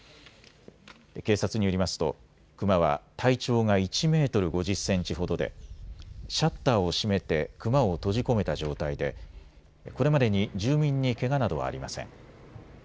警察によりますとクマは体長が１メートル５０センチほどでシャッターを閉めてクマを閉じ込めた状態でこれまでに住民にけがなどはありません。